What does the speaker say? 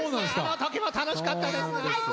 あのときも楽しかったですな。